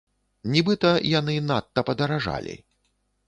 Нібыта, яны надта падаражалі.